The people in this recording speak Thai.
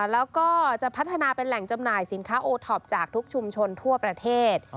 แล้วก็จะพัฒนาเป็นแหล่งจำหน่ายสินค้าโอท็อปจากทุกชุมชนทั่วประเทศ